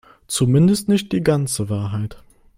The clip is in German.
Zumindest nicht die ganze Wahrheit.